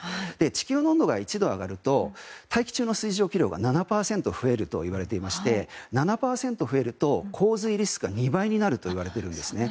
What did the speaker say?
地球の温度が１度上がると大気中の水蒸気量が７％増えるといわれていまして７％増えると洪水リスクが２倍になるといわれているんです。